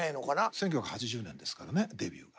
１９８０年ですからねデビューが。